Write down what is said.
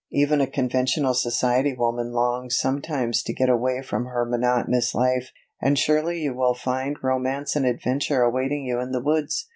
Even a conventional society woman longs sometimes to get away from her monotonous life, and surely you will find romance and adventure awaiting you in the woods.